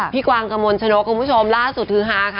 พี่กวางกะโมนชะนกคุณผู้ชมล่าสุดฮือฮาค่ะ